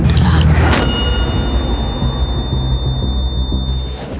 ล้าน